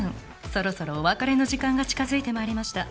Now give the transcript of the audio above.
「そろそろお別れの時間が近づいて参りました」